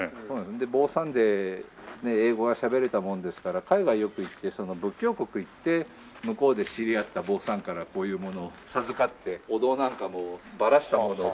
で坊さんで英語がしゃべれたもんですから海外よく行ってその仏教国行って向こうで知り合った坊さんからこういうものを授かってお堂なんかもバラしたものを。